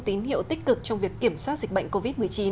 tín hiệu tích cực trong việc kiểm soát dịch bệnh covid một mươi chín